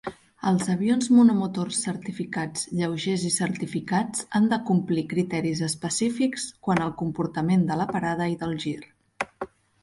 Els avions monomotors certificats, lleugers i certificats han de complir criteris específics quant al comportament de la parada i del gir.